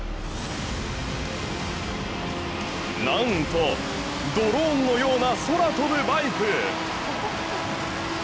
なんと、ドローンのような空飛ぶバイク！